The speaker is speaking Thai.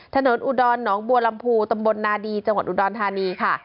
อุดรหนองบัวลำพูตำบลนาดีจังหวัดอุดรธานีค่ะ